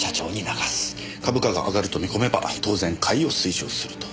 株価が上がると見込めば当然買いを推奨すると。